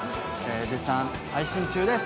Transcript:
絶賛配信中です